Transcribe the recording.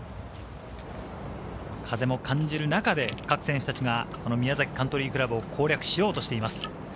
風も感じる中で各選手たちが宮崎カントリークラブを攻略しようとしています。